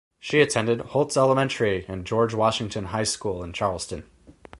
She attended Holz Elementary and George Washington High School in Charleston.